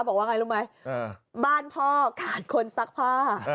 บอกว่าไงรู้ไหมบ้านพ่อกาดคนซักผ้า